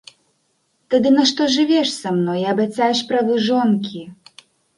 Тады нашто жывеш са мной і абяцаеш правы жонкі?